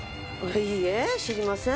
いいえ知りません。